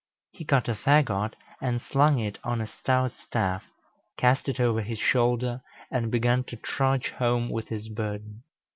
He cut a fagot and slung it on a stout staff, cast it over his shoulder, and began to trudge home with his burden.